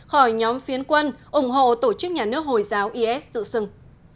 khỏi nhóm phiến quân ủng hộ tổ chức nhà nước hồi giáo is tự xưng